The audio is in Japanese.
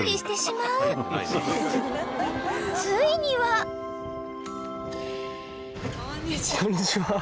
［ついには］こんにちは。